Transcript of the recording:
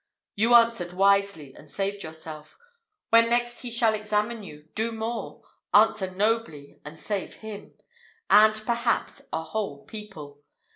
You answered wisely, and saved yourself. When next he shall examine you, do more answer nobly, and save him, and perhaps a whole people!